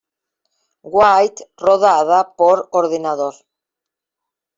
White rodada por ordenador.